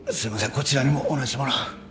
こちらにも同じもの